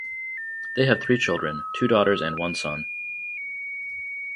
They have three children (two daughters and one son).